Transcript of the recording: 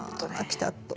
ピタッと。